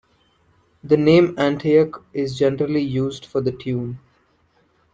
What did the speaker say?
The name "Antioch" is generally used for the tune.